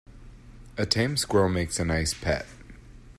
A tame squirrel makes a nice pet.